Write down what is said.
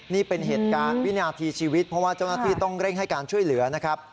นี่เป็นเหตุการณ์วินาทีชีวิตเพราะว่าเจ้าหน้าที่ต้องเร่งให้การช่วยเหลือนะครับ